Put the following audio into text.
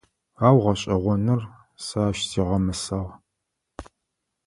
Ау, гъэшӏэгъоныр, сэ ащ сигъэмысагъ.